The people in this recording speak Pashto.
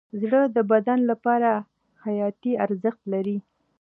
زړه د بدن لپاره حیاتي ارزښت لري.